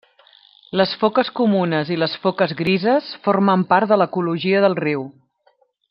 Les foques comunes i les foques grises formen part de l'ecologia del riu.